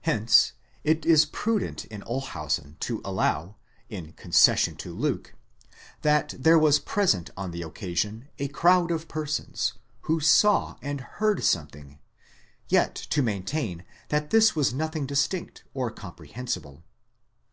Hence it is prudent in Olshausen to allow, in concession to Luke, that there was present on the occasion a crowd of persons, who saw and heard some thing, yet to maintain that this was nothing distinct or comprehensible.